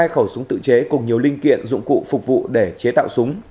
hai khẩu súng tự chế cùng nhiều linh kiện dụng cụ phục vụ để chế tạo súng